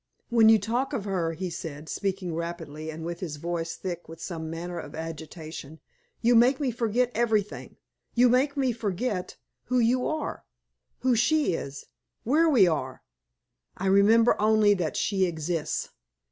"When you talk of her," he said, speaking rapidly, and with his voice thick with some manner of agitation, "you make me forget everything! You make me forget who you are, who she is, where we are! I remember only that she exists!